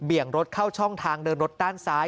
งรถเข้าช่องทางเดินรถด้านซ้าย